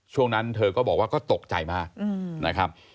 ช่วงนั้นเธอก็บอกว่าก็ตกใจมากนะครับ